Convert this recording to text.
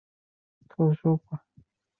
他是犹太人。